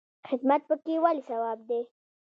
خدمت پکې ولې ثواب دی؟